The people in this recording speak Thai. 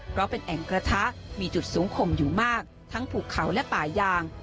เพราะเป็นแอ่งกระทะมีจุดสูงข่มอยู่มากทั้งภูเขาและป่ายาง